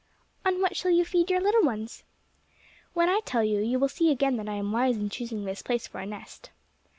"On what shall you feed your little ones?" "When I tell you, you will see again that I am wise in choosing this place for a nest.